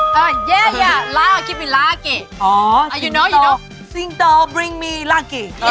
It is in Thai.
ผู้ชายในฝัน